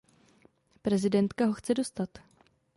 Prezidentka ho chce dostat.